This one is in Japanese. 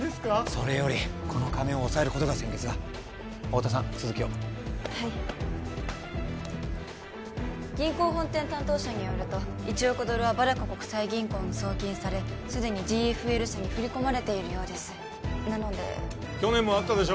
それよりこの金をおさえることが先決だ太田さん続きをはい銀行本店担当者によると１億ドルはバルカ国際銀行に送金されすでにＧＦＬ社に振り込まれているようですなので去年もあったでしょう